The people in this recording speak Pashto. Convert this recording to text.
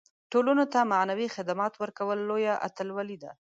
ټولنو ته معنوي خدمات ورکول لویه اتلولي ده.